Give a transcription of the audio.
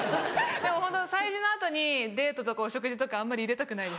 でも本当催事の後にデートとかお食事とかあんまり入れたくない。